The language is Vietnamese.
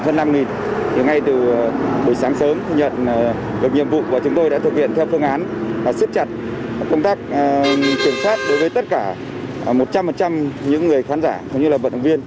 dân an ninh ngay từ buổi sáng sớm nhận được nhiệm vụ và chúng tôi đã thực hiện theo phương án sức chặt công tác kiểm soát đối với tất cả một trăm linh những người khán giả như là vận động viên